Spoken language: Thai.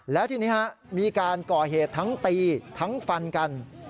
แล้วทีนี้มีการก่อเหตุทั้งตีทั้งฟันกัน